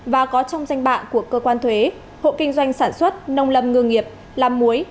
và có trong danh bạ của cơ quan thuế hộ kinh doanh sản xuất nông lâm ngư nghiệp làm muối